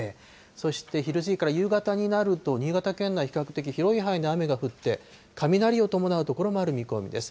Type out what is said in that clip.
そして昼過ぎから夕方になると、新潟県内、比較的広い範囲で雨が降って、雷を伴う所もある見込みです。